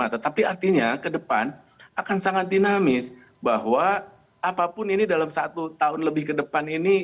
tetapi artinya ke depan akan sangat dinamis bahwa apapun ini dalam satu tahun lebih ke depan ini